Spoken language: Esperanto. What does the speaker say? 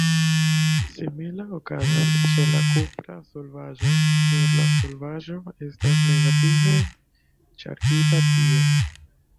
Simila okazas ĉe la kupra solvaĵo, nur la solvaĵo estas negative ŝargita tie.